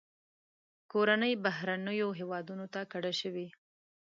کورنۍ بهرنیو هیوادونو ته کډه شوې.